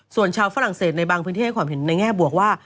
ส่วนชาวฝรั่งเศสในบางพื้นที่ให้ความเห็นในแง่บวกว่า